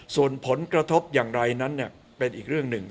ส่วนผลกระทบอย่างไรนั้นเป็นอีกเรื่องหนึ่ง